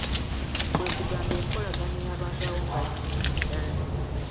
Kwe kugamba enkolagana eyabangawo nga ya maanyi ddala.